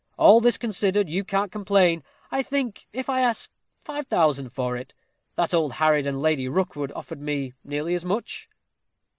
All this considered, you can't complain, I think if I ask five thousand for it. That old harridan, Lady Rookwood, offered me nearly as much."